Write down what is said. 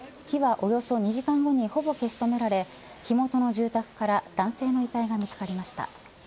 火はおよそ２時間後にほぼ消し止められ火元の住宅から男性の遺体が見つかりました。